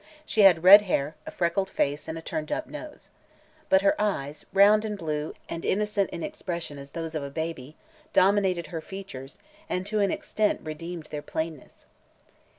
She had red hair, a freckled face and a turned up nose. But her eyes, round and blue and innocent in expression as those of a baby, dominated her features and to an extent redeemed their plainness.